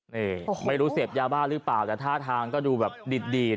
นี่ไม่รู้เสพยาบ้าหรือเปล่าแต่ท่าทางก็ดูแบบดีด